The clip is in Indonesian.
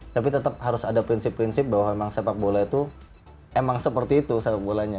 tapi tetap harus ada prinsip prinsip bahwa memang sepak bola itu emang seperti itu sepak bolanya